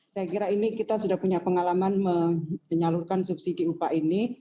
saya kira ini kita sudah punya pengalaman menyalurkan subsidi upah ini